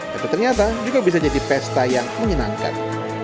tapi ternyata juga bisa jadi pesta yang menyenangkan